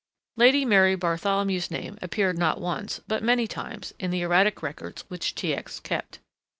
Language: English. Lady Mary Bartholomew's name appeared not once, but many times, in the erratic records which T. X. kept.